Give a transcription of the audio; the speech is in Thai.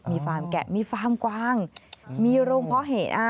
มีฟาร์มแกะมีฟาร์มกวางมีโรงเพาะเห